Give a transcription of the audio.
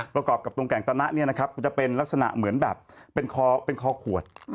ประกอบกับตรงแก่งตะนะมันจะเป็นลักษณะเหมือนแบบเป็นคอขวด